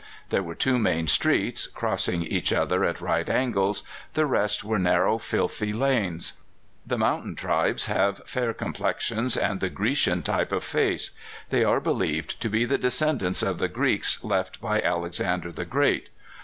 There were two main streets, crossing each other at right angles; the rest were narrow, filthy lanes. The mountain tribes have fair complexions and the Grecian type of face. They are believed to be the descendants of the Greeks left by Alexander the Great.